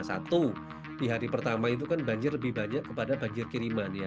satu di hari pertama itu kan banjir lebih banyak kepada banjir kiriman ya